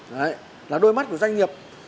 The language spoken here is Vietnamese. đấy là đôi mắt của doanh nghiệp